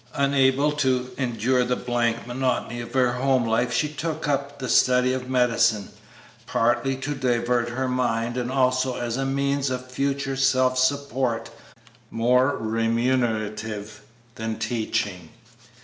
Unable to endure the blank monotony of her home life she took up the study of medicine, partly to divert her mind and also as a means of future self support more remunerative than teaching.